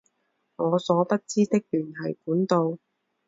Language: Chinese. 我所不知的联系管道